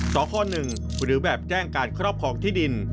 สค๑หรือแบบแจ้งการครอบครองที่ดิน